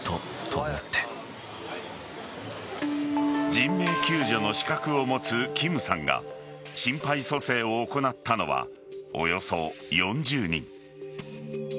人命救助の資格を持つキムさんが心肺蘇生を行ったのはおよそ４０人。